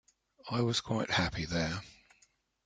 I was quite happy there.